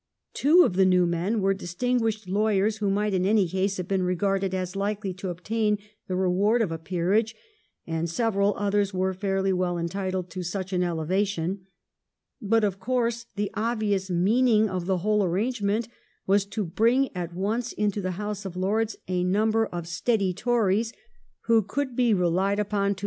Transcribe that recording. Two of the new men were distinguished lawyers who might in any case have been regarded as likely to obtain the reward of a peerage, and several others were fairly well entitled to such an elevation. But of course the obvious meaning of the whole arrange ment was to bring at once into the House of Lords a number of steady Tories, who could be relied upon to I2 116 THE EEIGN OF QUEEN ANNE. ch. xxvi.